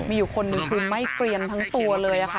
มีอยู่คนหนึ่งคือไหม้เกรียมทั้งตัวเลยค่ะ